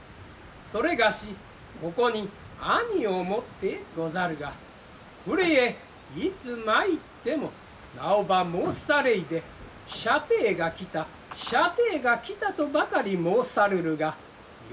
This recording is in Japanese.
それがしここに兄をもってござるがこれへいつまいっても名をば申されいで舎弟がきた舎弟がきたとばかり申さるるが。